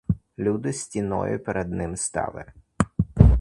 Люди стіною перед ним стояли.